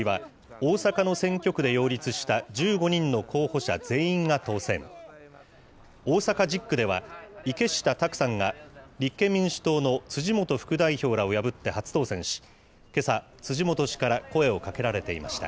大阪１０区では、池下卓さんが、立憲民主党の辻元副代表らを破って初当選し、けさ、辻元氏から声をかけられていました。